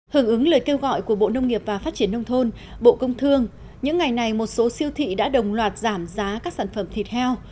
hưởng ứng lời kêu gọi của bộ nông nghiệp và phát triển nông thôn bộ công thương những ngày này một số siêu thị đã đồng loạt giảm giá các sản phẩm thịt heo